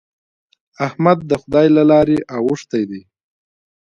احمد د خدای له لارې اوښتی دی.